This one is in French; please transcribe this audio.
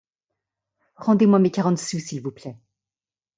Rendez-moi mes quarante sous, s’il vous plaît!